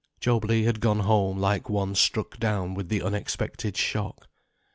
Job Legh had gone home like one struck down with the unexpected shock.